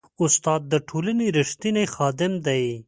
استاد د ټولنې ریښتینی خادم دی.